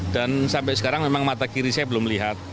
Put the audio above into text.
dan sampai sekarang memang mata kiri saya belum melihat